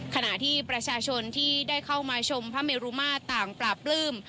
ขณะที่ประชาชนที่ได้เข้ามาชมพระเมรุมาตรต่างปราบปลื้ม